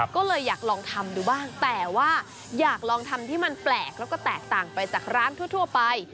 ก็เลยอยากลองทำดูบ้างแต่ว่าอยากลองทำที่มันแปลกแล้วก็แตกต่างไปจากร้านทั่วไป